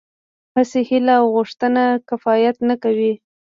هسې هيله او غوښتنه کفايت نه کوي.